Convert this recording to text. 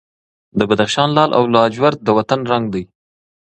د بدخشان لعل او لاجورد د وطن رنګ دی.